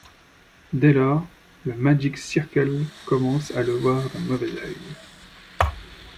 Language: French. Dès lors, le Magic Circle commence à le voir d'un mauvais œil.